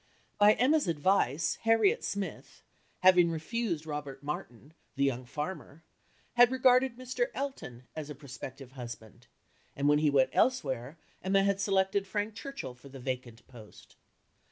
By Emma's advice Harriet Smith, having refused Robert Martin, the young farmer, had regarded Mr. Elton as a prospective husband, and when he went elsewhere Emma had selected Frank Churchill for the vacant post.